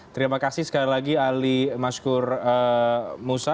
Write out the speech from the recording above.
terima kasih sekali lagi ali maskur musa